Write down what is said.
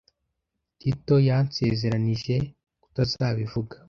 Tito yansezeranije kutazabivuga.